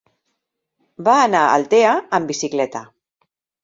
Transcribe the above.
Va anar a Altea amb bicicleta.